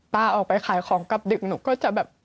ออกไปขายของกลับดึกหนูก็จะแบบ